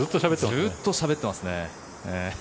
ずっとしゃべってますね。